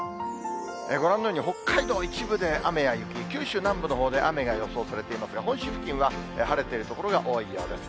ご覧のように北海道一部で雨や雪、九州南部のほうで雨が予想されていますが、本州付近は晴れてる所が多いようです。